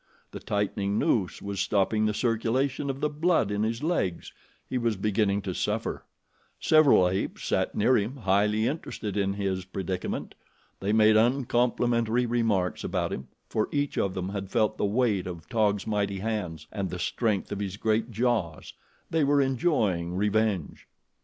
The tightening noose was stopping the circulation of the blood in his legs he was beginning to suffer. Several apes sat near him highly interested in his predicament. They made uncomplimentary remarks about him, for each of them had felt the weight of Taug's mighty hands and the strength of his great jaws. They were enjoying revenge.